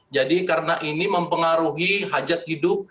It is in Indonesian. jadi karena ini mempengaruhi hajat hidup